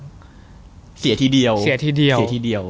เสียทีเดียวเสียทีเดียวเสียทีเดียว